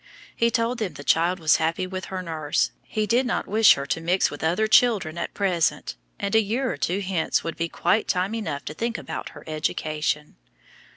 He told them the child was happy with her nurse, he did not wish her to mix with other children at present, and a year or two hence would be quite time enough to think about her education.